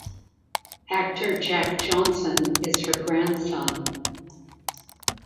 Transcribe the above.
Actor Jack Johnson is her grandson.